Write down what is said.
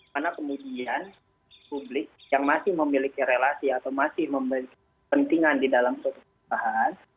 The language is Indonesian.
karena kemudian publik yang masih memiliki relasi atau masih memiliki pentingan di dalam perusahaan